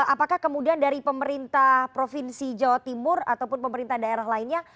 apakah kemudian dari pemerintah provinsi jawa timur ataupun pemerintah daerah lainnya